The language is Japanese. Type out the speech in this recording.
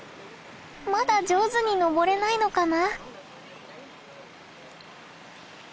まだ上手に登れないのかな。